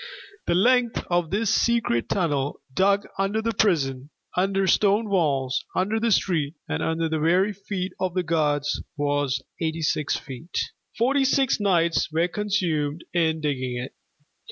The length of this secret tunnel, dug under the prison, under stone walls, under the street and under the very feet of the guards, was eighty six feet. Forty six nights were consumed in digging it.